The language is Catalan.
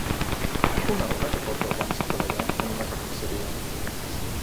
Una dona que porta guants treballant en una carnisseria